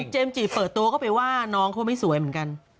เจมส์จีเปิดตัวก็ไปว่าน้องเขาไม่สวยเหมือนกัน